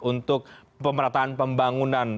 untuk pemerintahan pembangunan